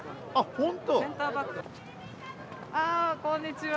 あこんにちは。